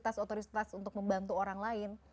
atas otoritas untuk membantu orang lain